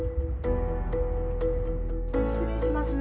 失礼します。